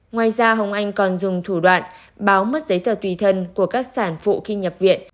ngoài ra hồng anh còn dùng thủ đoạn báo mất giấy tờ tùy thân của các sản phụ khi nhập viện